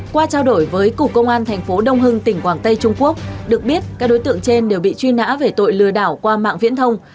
qua trao đổi với cục công an thành phố đông hưng tỉnh quảng tây trung quốc được biết các đối tượng trên đều bị truy nã về tội lừa đảo qua mạng viễn thông